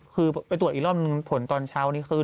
คือไปตรวจอีกรอบหนึ่งผลตอนเช้านี้คือ